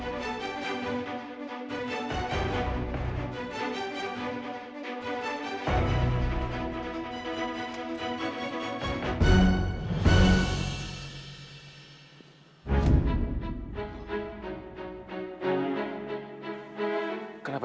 ya handphone gue ketinggalan lagi